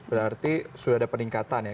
berarti sudah ada peningkatan ya